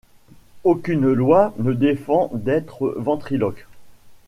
Aucune loi ne défend d’être ventriloque.